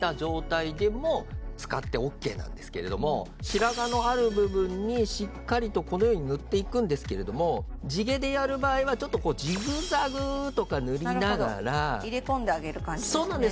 白髪のある部分にしっかりとこのように塗っていくんですけれども地毛でやる場合はちょっとこうジグザグとか塗りながらなるほど入れ込んであげる感じですね